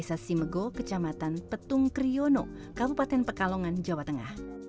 desa simego kecamatan petung kriono kabupaten pekalongan jawa tengah